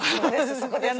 そこです！